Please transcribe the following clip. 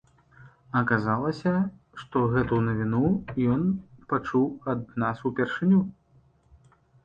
Аказалася, што гэту навіну ён пачуў ад нас упершыню.